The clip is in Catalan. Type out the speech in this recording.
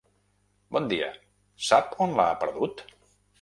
Bon dia, sap on la ha perdut?